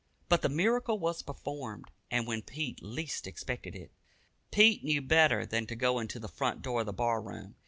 But the miracle was performed, and when Pete least expected it. Pete knew better than to go into the front door of the bar room.